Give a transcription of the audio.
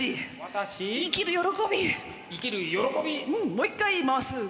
もう一回回す。